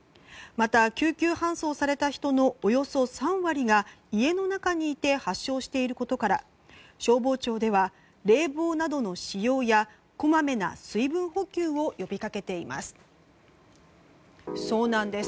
また、救急搬送された人のおよそ３割が家の中にいて発症していることから消防庁では、冷房などの使用やこまめな水分補給を呼びかけています。